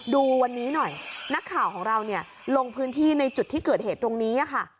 ดูวันนี้หน่อยนักข่าวของเราลงพื้นที่ในจุดที่เกิดเหตุตรงนี้ค่ะ